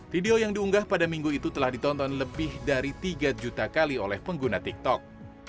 video yang diunggah pada minggu itu telah ditonton lebih dari tiga juta kali oleh pengguna tiktok